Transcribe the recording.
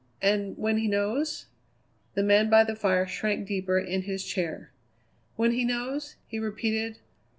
"And when he knows?" The man by the fire shrank deeper in his chair. "When he knows?" he repeated.